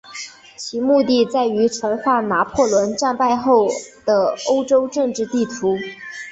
其目的在于重画拿破仑战败后的欧洲政治地图。